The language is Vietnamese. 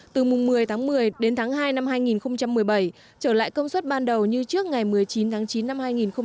từ mùng một mươi tháng một mươi đến tháng hai năm hai nghìn một mươi bảy trở lại công suất ban đầu như trước ngày một mươi chín tháng chín năm hai nghìn một mươi chín